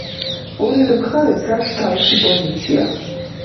ორივე მხარეს აქვს თავისი პოზიცია.